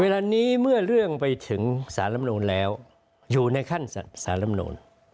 เวลานี้เมื่อเรื่องไปถึงสารลำนูนแล้วอยู่ในขั้นสารลำนูน